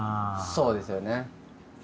そうですよね。